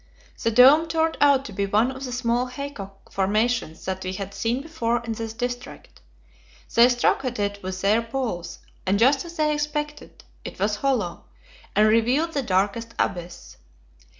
The dome turned out to be one of the small haycock formations that we had seen before in this district. They struck at it with their poles, and just as they expected it was hollow, and revealed the darkest abyss.